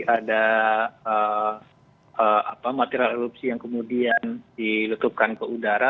ada material erupsi yang kemudian diletupkan ke udara